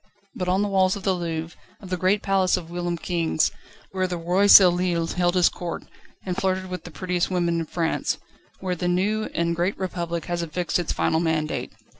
But on the walls of the Louvre, of the great palace of whilom kings, where the Roi Soleil held his Court, and flirted with the prettiest women in France, there the new and great Republic has affixed its final mandate.